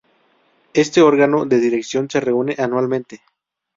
Este órgano de dirección se reúne anualmente.